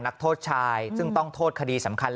นักโทษชายซึ่งต้องโทษคดีสำคัญ